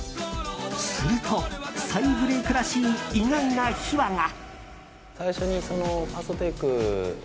すると、再ブレークらしい意外な秘話が。